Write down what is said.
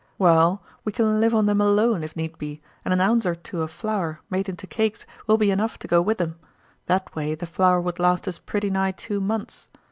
Waal, we can live on them alone, if need be, and an ounce or two of flour, made into cakes, will be enough to go with 'em. That way the flour would last us pretty nigh two months.